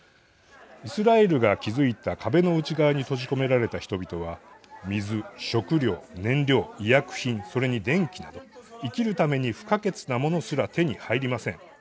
イスラエルが築いた壁の内側に閉じ込められた人々は水、食料、燃料医薬品、それに電気など生きるために不可欠なものすら手に入りません。